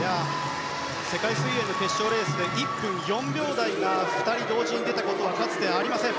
世界水泳の決勝レースで１分４秒台が２人同時に出たことはかつてありません。